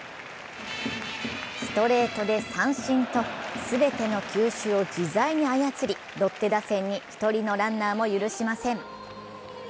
ストレートで三振と全ての球種を自在に操りロッテ打線に１人のランナーも許しません。